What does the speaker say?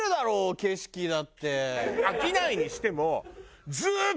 飽きないにしても。